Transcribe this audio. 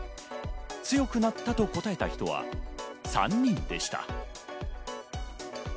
強くなったと答えた人は３人でした。